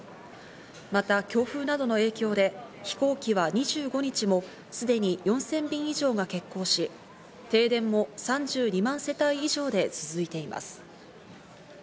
また強風などの影響で、飛行機は２５日もすでに４０００便以上が欠航し、停電も３２万世帯以上で続いています。